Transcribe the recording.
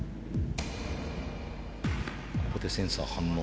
ここでセンサー反応。